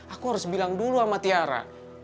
aku harus bilang dulu sama tiara